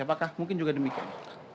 apakah mungkin juga demikian